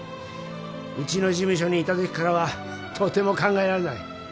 うちの事務所にいたときからはとても考えられない